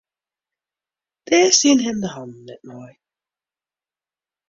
Dêr stienen him de hannen net nei.